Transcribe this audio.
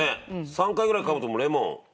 ３回ぐらいかむともうレモン。